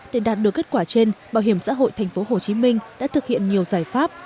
để đạt được kết quả trên bảo hiểm xã hội thành phố hồ chí minh đã thực hiện nhiều giải pháp